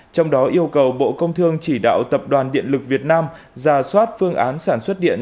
trong đó yêu cầu bộ công thương chỉ đạo tập đoàn điện lực việt nam ra soát phương án sản xuất điện